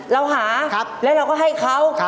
เราหาแล้วเราก็ให้เขา